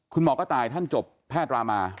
คุณหมอกระต่ายท่านจบแพทย์รามา